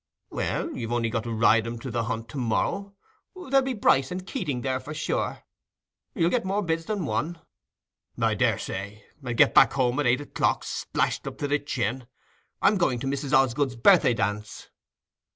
"Well, you've only got to ride him to the hunt to morrow. There'll be Bryce and Keating there, for sure. You'll get more bids than one." "I daresay, and get back home at eight o'clock, splashed up to the chin. I'm going to Mrs. Osgood's birthday dance."